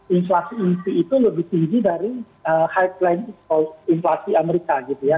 inflasi inti itu lebih tinggi dari high plan inflasi amerika gitu ya